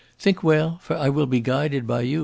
Think well, for I will be guided by you, M.